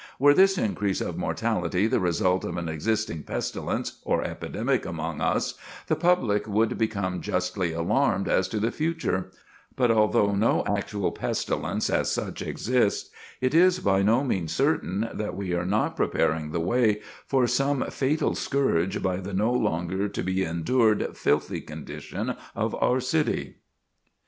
Were this increase of mortality the result of an existing pestilence or epidemic among us, the public would become justly alarmed as to the future; but although no actual pestilence, as such, exists, it is by no means certain that we are not preparing the way for some fatal scourge by the no longer to be endured filthy condition of our city."